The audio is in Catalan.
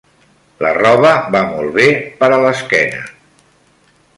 La roba va molt bé per a l'esquena.